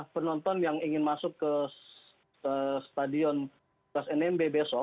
penonton yang ingin masuk ke stadion kas nmb besok